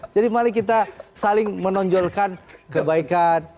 jadi mari kita saling menonjolkan kebaikan